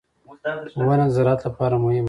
• ونه د زراعت لپاره مهمه ده.